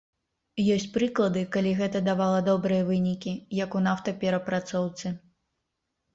Ёсць прыклады, калі гэта давала добрыя вынікі, як у нафтаперапрацоўцы.